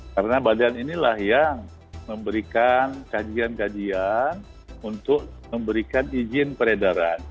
karena badan inilah yang memberikan kajian kajian untuk memberikan izin peredaran